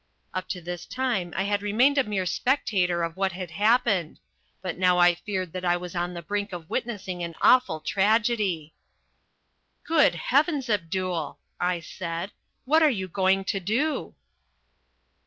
Up to this time I had remained a mere spectator of what had happened. But now I feared that I was on the brink of witnessing an awful tragedy. "Good heavens, Abdul," I said, "what are you going to do?"